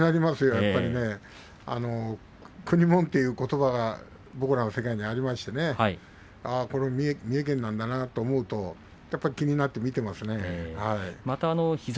やっぱり国もんということばが僕らの世界にありましてね三重県なんだなと思うとやっぱり気になって見ていますね。